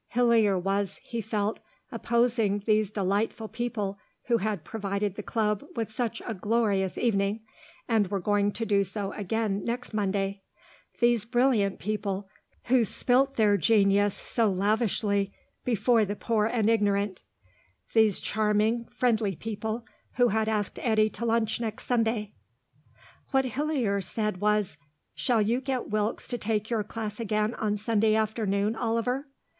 Hillier was, he felt, opposing these delightful people who had provided the club with such a glorious evening, and were going to do so again next Monday; these brilliant people, who spilt their genius so lavishly before the poor and ignorant; these charming, friendly people, who had asked Eddy to lunch next Sunday. What Hillier said was, "Shall you get Wilkes to take your class again on Sunday afternoon, Oliver?"